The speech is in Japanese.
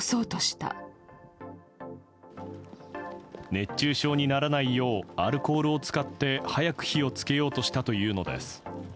熱中症にならないようアルコールを使って早く火を付けようとしたというのです。